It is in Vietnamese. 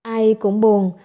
ai cũng buồn